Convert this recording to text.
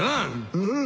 うん。